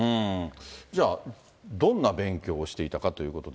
じゃあ、どんな勉強をしていたかということで。